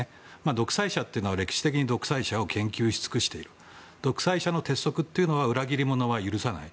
独裁者というのは歴史的に独裁者を研究し尽くしている独裁者の鉄則というのは裏切り者は許さない。